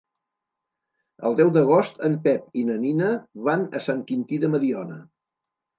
El deu d'agost en Pep i na Nina van a Sant Quintí de Mediona.